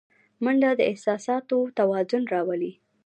منډه د احساساتو توازن راولي